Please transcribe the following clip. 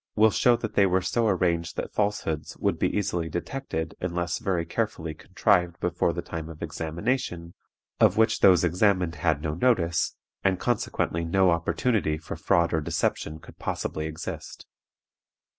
will show that they were so arranged that falsehoods would be easily detected unless very carefully contrived before the time of examination, of which those examined had no notice, and consequently no opportunity for fraud or deception could possibly exist.